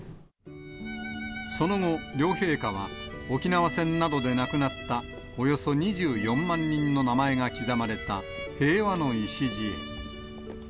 その後、両陛下は、沖縄戦などで亡くなった、およそ２４万人の名前が刻まれた平和の礎へ。